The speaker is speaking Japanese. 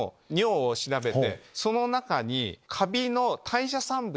その中に。